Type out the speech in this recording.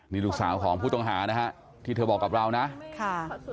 นี่ลูกสาวของผู้ต้องหานะฮะที่เธอบอกกับเรานะค่ะ